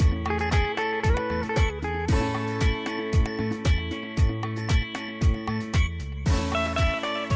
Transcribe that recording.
ในภาคฝั่งอันดามันนะครับ